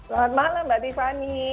selamat malam mbak tiffany